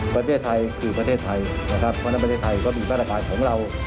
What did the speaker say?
ประเทศไทยประเทศไทยทั้งมันประเทศไทยอยู่ในรัฐภาคของเรา